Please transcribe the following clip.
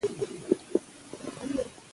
انګور د افغانستان د اجتماعي جوړښت برخه ده.